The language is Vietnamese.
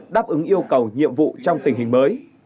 đáp ứng yêu cầu nhiệm vụ trong tình hình mới